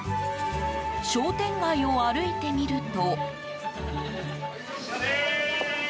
商店街を歩いてみると。